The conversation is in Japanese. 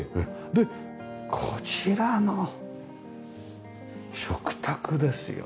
でこちらの食卓ですよ。